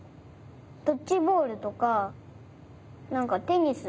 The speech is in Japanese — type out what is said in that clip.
ドッジボールとかなんかテニス。